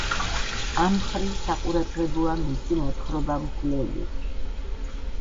ამ მხრივ საყურადღებოა მისი მოთხრობა „მკვლელი“.